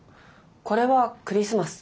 これはクリスマス。